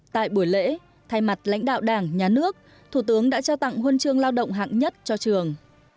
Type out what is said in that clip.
tại buổi lễ thay mặt lãnh đạo đảng nhà nước thủ tướng đã trao tặng huân chương lao động hạng nhất cho trường